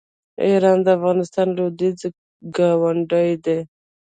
ایران د افغانستان لویدیځ ګاونډی دی.